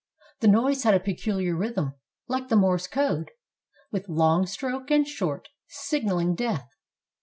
The noise had a pecuHar rhythm, like the Morse code, with long stroke and short, signaling death.